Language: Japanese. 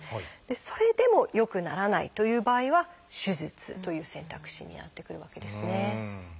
それでも良くならないという場合は「手術」という選択肢になってくるわけですね。